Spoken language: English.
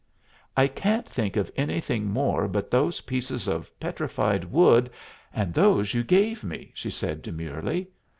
"I can't think of anything more but those pieces of petrified wood, and those you gave me," she said demurely.